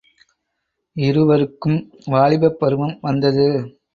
இருவருக்கும் வாலிபப் பருவம் வந்தது.